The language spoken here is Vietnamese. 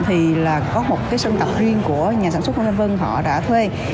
thì là có một sân tập riêng của nhà sản xuất hồng thanh vân họ đã thuê